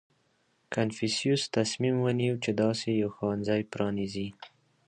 • کنفوسیوس تصمیم ونیو، چې داسې یو ښوونځی پرانېزي.